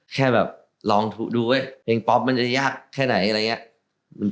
แค่แบบลองดูเพลงป๊อปมันจะยากแค่ไหนอะไรอย่างนี้